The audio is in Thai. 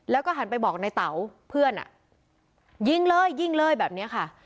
แล้วก็หันไปบอกในเต๋าเพื่อนอ่ะยิงเลยยิงเลยแบบนี้ค่ะ